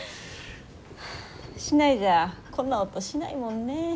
市内じゃこんな音しないもんね。